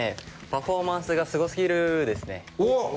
「パフォーマンスが凄すぎる‼」ですね。